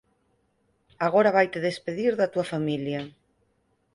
Agora vaite despedir da túa familia.